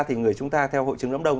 thì người chúng ta theo hội chứng lắm đông